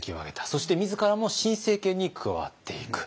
そして自らも新政権に加わっていく。